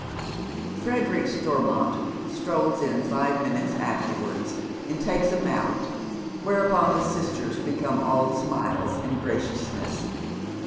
Frederick Stormont strolls in five minutes afterwards and takes a mallet, whereupon the sisters become all smiles and graciouS' ness.